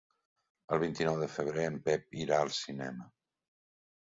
El vint-i-nou de febrer en Pep irà al cinema.